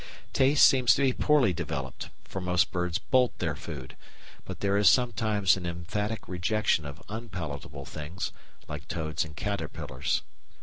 Taste seems to be poorly developed, for most birds bolt their food, but there is sometimes an emphatic rejection of unpalatable things, like toads and caterpillars.